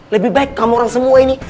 lebih baik kamu orang semua ini